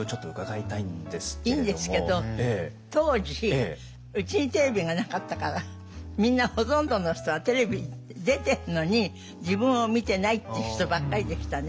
いいんですけど当時うちにテレビがなかったからみんなほとんどの人がテレビ出てるのに自分を見てないって人ばっかりでしたね。